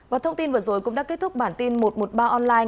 và thông tin vừa rồi cũng đã kết thúc bản tin một trăm một mươi ba online